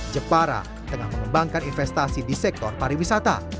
jepara tengah mengembangkan investasi di sektor pariwisata